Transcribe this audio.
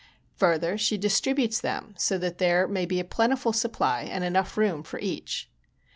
Further, she distributes them so that there may be a plentiful supply and enough room for each.